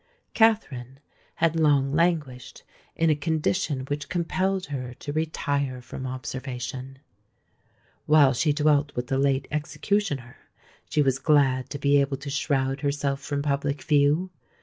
Katherine had long languished in a condition which compelled her to retire from observation. While she dwelt with the late executioner, she was glad to be able to shroud herself from public view.